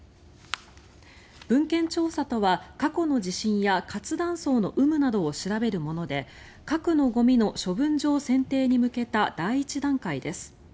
文献調査は過去の地震や活断層の有無などを調べるもので核のゴミの処分場選定に向けた第１段階です。